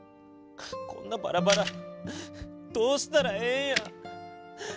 こんなばらばらどうしたらええんやん。